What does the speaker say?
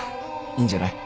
いいんじゃない？